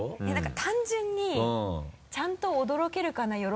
いや何か単純にちゃんと驚けるかな？